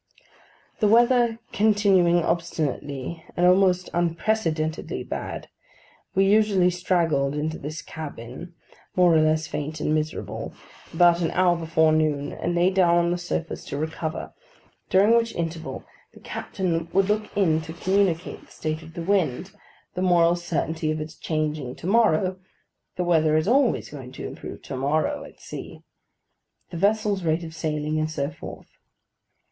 The weather continuing obstinately and almost unprecedentedly bad, we usually straggled into this cabin, more or less faint and miserable, about an hour before noon, and lay down on the sofas to recover; during which interval, the captain would look in to communicate the state of the wind, the moral certainty of its changing to morrow (the weather is always going to improve to morrow, at sea), the vessel's rate of sailing, and so forth.